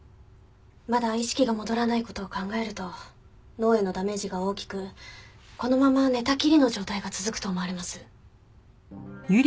まだ意識が戻らない事を考えると脳へのダメージが大きくこのまま寝たきりの状態が続くと思われます。